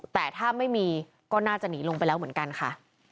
แต่ถ้าไม่มีก็น่าจะหนีลงไปแล้วเหมือนกันค่ะ